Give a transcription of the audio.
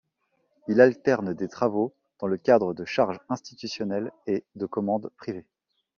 Il alterne des travaux dans le cadre de charges institutionnelles et de commandes privées.